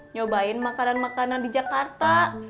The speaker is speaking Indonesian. nyobain makanan makanan di jakarta